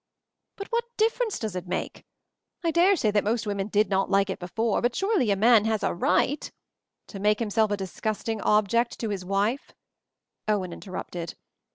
"But what difference does it make? I dare say that most women did not like it before, but surely a man has a right " "To make himself a disgusting object to his wife," Owen interrupted.